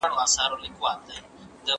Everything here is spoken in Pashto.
هر کال تر تیر کال ښه دی.